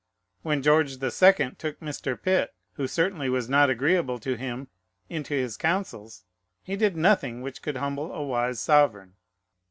When George the Second took Mr. Pitt, who certainly was not agreeable to him, into his councils, he did nothing which could humble a wise sovereign.